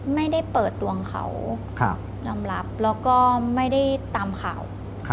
ไม่ได้เปิดดวงเขายอมรับแล้วก็ไม่ได้ตามข่าว